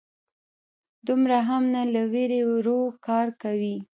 _دومره هم نه، له وېرې ورو کار کوي.